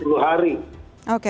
untuk sepuluh hari